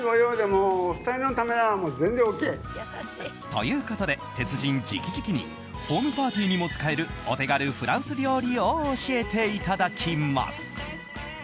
ということで、鉄人直々にホームパーティーにも使えるお手軽フランス料理を教えていただきます。